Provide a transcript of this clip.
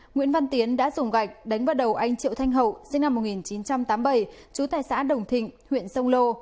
nguyễn văn tiến đã dùng gạch đánh vào đầu anh triệu thanh hậu sinh năm một nghìn chín trăm tám mươi bảy trú tại xã đồng thịnh huyện sông lô